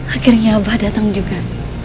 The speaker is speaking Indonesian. akhirnya abah datang juga